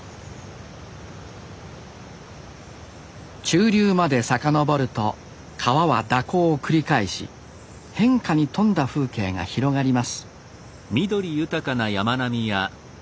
中流まで遡ると川は蛇行を繰り返し変化に富んだ風景が広がります